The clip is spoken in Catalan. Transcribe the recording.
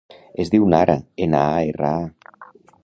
Es diu Nara: ena, a, erra, a.